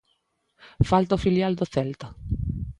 Falta o filial do Celta.